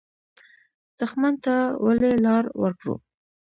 دښمن ته ولې لار ورکړو؟